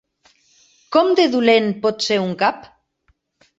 Com de dolent pot ser un cap?